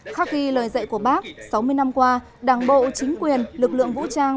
khác ghi lời dạy của bác sáu mươi năm qua đảng bộ chính quyền lực lượng vũ trang